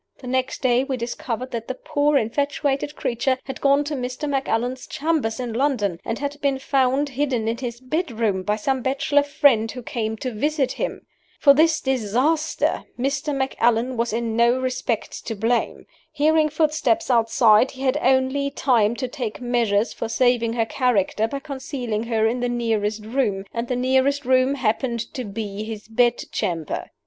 The next day we discovered that the poor infatuated creature had gone to Mr. Macallan's chambers in London, and had been found hidden in his bedroom by some bachelor friends who came to visit him. "For this disaster Mr. Macallan was in no respect to blame. Hearing footsteps outside, he had only time to take measures for saving her character by concealing her in the nearest room and the nearest room happened to be his bedchamber.